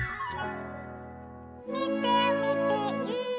「みてみてい！」